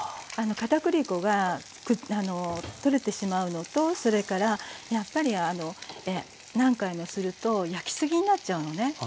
片栗粉が取れてしまうのとそれからやっぱり何回もすると焼きすぎになっちゃうのね。